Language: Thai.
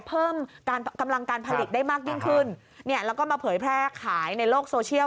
เพิ่มการกำลังการผลิตได้มากยิ่งขึ้นเนี่ยแล้วก็มาเผยแพร่ขายในโลกโซเชียล